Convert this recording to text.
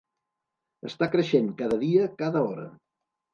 Està creixent, cada dia, cada hora.